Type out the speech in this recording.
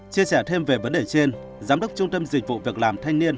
chia sẻ thêm về vấn đề trên giám đốc trung tâm dịch vụ việc làm thanh niên